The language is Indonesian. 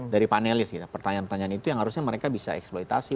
dari panelis gitu pertanyaan pertanyaan itu yang harusnya mereka bisa eksploitasi